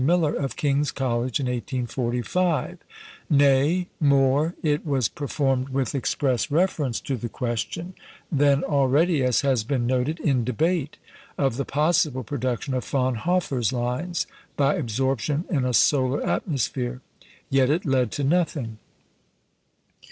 Miller of King's College in 1845. Nay, more, it was performed with express reference to the question, then already (as has been noted) in debate, of the possible production of Fraunhofer's lines by absorption in a solar atmosphere. Yet it led to nothing.